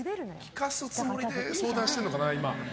聞かすつもりで相談してるのかな。